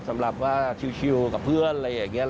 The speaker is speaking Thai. สำหรับว่าชิลกับเพื่อนอะไรอย่างนี้